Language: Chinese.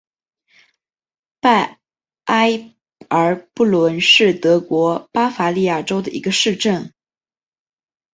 拜埃尔布伦是德国巴伐利亚州的一个市镇。